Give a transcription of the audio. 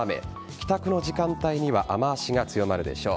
帰宅の時間帯には雨脚が強まるでしょう。